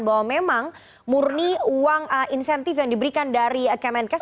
bahwa memang murni uang insentif yang diberikan dari kemenkes